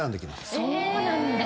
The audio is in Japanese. そうなんだ！